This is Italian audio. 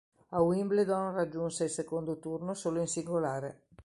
A Wimbledon raggiunge il secondo turno solo in singolare.